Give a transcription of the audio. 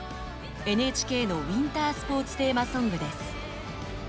ＮＨＫのウィンタースポーツテーマソングです。